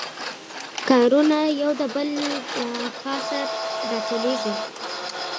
کارونه یو د بل پاسه راټولیږي